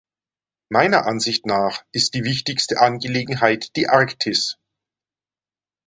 Meiner Ansicht nach ist die wichtigste Angelegenheit die Arktis.